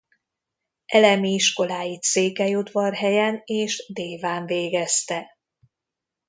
Elemi iskoláit Székelyudvarhelyen és Déván végezte.